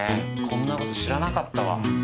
こんなこと知らなかった。